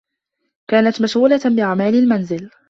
كانت مشغولة بأعمال المنزل.